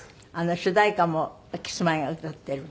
主題歌もキスマイが歌ってる？